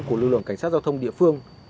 của lực lượng cảnh sát giao thông địa phương